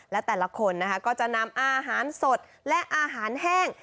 และแต่ละคนนะคะก็จะนำอาหารสดและอาหารแห้ง